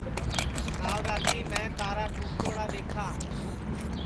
کال راتی میں تارا ٹُوٹ توڑا دؔیکھا